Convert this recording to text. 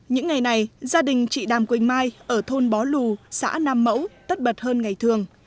những ngày này gia đình chị đàm quỳnh mai ở thôn bó lù xã nam mẫu tất bật hơn ngày thường